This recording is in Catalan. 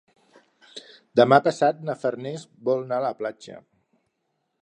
Demà passat na Farners vol anar a la platja.